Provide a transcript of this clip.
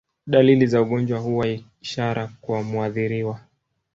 Dalili za ugonjwa huwa ishara kwa muathiriwa